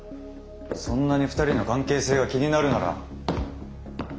そんなに２人の関係性が気になるなら。